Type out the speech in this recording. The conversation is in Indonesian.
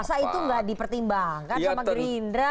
masa itu nggak dipertimbangkan sama gerindra